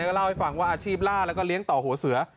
ก็เล่าให้ฟังว่าอาชีพล่าแล้วก็เลี้ยงต่อหัวเสือ